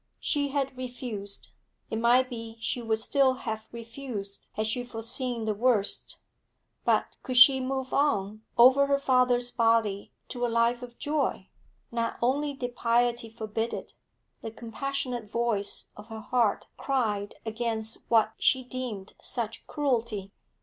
She had refused; it might be she would still have refused had she foreseen the worst; but could she move on over her father's body to a life of joy? Not only did piety forbid it; the compassionate voice of her heart cried against what she deemed such cruelty.